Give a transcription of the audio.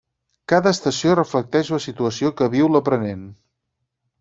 Cada estació reflecteix la situació que viu l'aprenent.